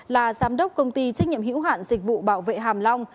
là giám đốc công ty trách nhiệm hữu hạn dịch vụ bảo vệ hàm long